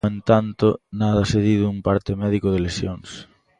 No entanto, nada se di dun parte médico de lesións.